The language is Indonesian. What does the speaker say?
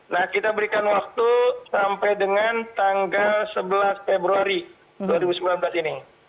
nah kita berikan waktu sampai dengan tanggal sebelas februari dua ribu sembilan belas ini